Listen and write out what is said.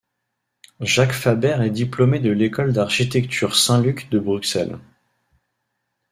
Jacques Faber est diplômé de l'École d'architecture Saint-Luc de Bruxelles.